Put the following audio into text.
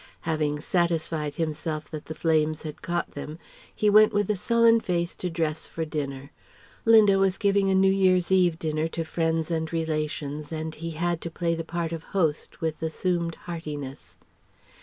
Having satisfied himself that the flames had caught them, he went up with a sullen face to dress for dinner: Linda was giving a New Year's Eve dinner to friends and relations and he had to play the part of host with assumed heartiness.